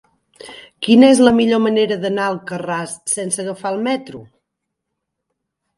Quina és la millor manera d'anar a Alcarràs sense agafar el metro?